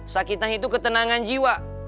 sakitah itu ketenangan jiwa